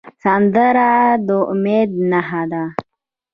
سندره د امید نښه ده